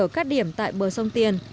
sạt lở cắt điểm tại bờ sông tiền